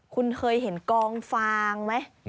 คุณเคยเห็นกองฟางไหม